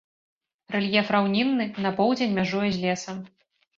Рэльеф раўнінны, на поўдзень мяжуе з лесам.